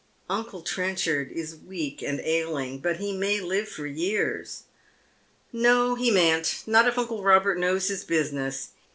" Uncle Trenchard is weak and ailing, but he may live for years." " No, he mayn't. Not if uncle Eobert knows his business.